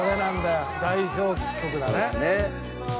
代表曲だね。